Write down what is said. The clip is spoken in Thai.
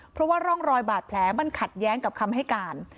เพราะว่าร่องรอยบาดแผลมันขัดแย้งกับคำให้การ